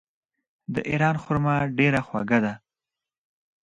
د ایران خرما ډیره خوږه ده.